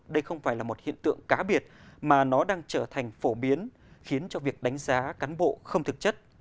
đây không phải là một hiện tượng cá biệt mà nó đang trở thành phổ biến khiến cho việc đánh giá cán bộ không thực chất